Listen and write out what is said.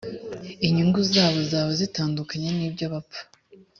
inyungu zabo zaba zitandukanye n’ibyo bapfa